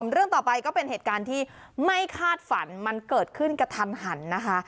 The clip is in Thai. เรื่องต่อไปก็เป็นเหตุการณ์ที่ไม่คาดฝันมันเกิดขึ้นกระทันหันนะคะ